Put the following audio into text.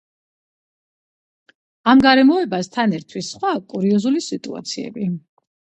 ამ გარემოებას თან ერთვის სხვა კურიოზული სიტუაციები.